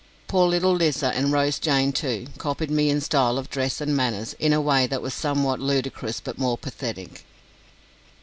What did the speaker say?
Poor little Lizer, and Rose Jane too, copied me in style of dress and manners in a way that was somewhat ludicrous but more pathetic.